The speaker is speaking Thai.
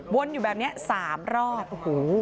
วนอยู่แบบนี้๓รอบ